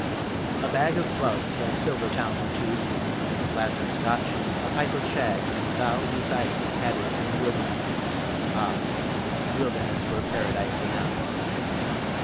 A Bag of Clubs, a Silver Town or two, A Flask of Scotch, a Pipe of Shag and Thou Beside me caddying in the Wilderness Ah, Wilderness were Paradise enow.